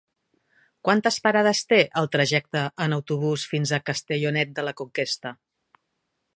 Quantes parades té el trajecte en autobús fins a Castellonet de la Conquesta?